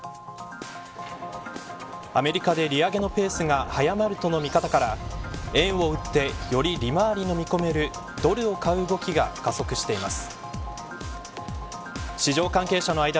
アメリカで利上げのペースが速まるとの見方から円を売って、より利回りの見込めるドルを買う動きが加速しています。